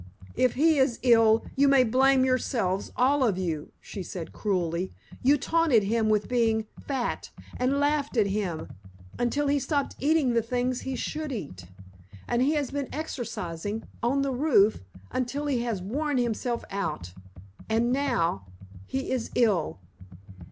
"If he is ill, you may blame yourselves, all of you," she said cruelly. "You taunted him with being fat, and laughed at him, until he stopped eating the things he should eat. And he has been exercising on the roof, until he has worn himself out. And now he is ill.